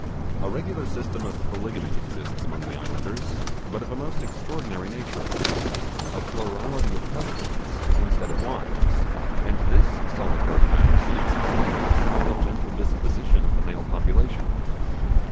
A regular system of polygamy exists among the islanders; but of a most extraordinary nature, a plurality of husbands, instead of wives! and this solitary fact speaks volumes for the gentle disposition of the male population.